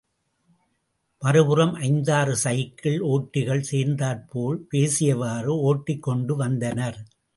மறுபுறம் ஐந்தாறு சைக்கிள் ஒட்டிகள் சேர்ந்தாற் போல் பேசியவாறு ஒட்டிக் கொண்டு வந்தனர்.